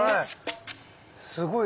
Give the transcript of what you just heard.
すごい！